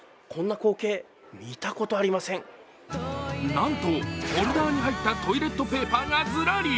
なんと、ホルダーに入ったトイレットペーパーがズラリ。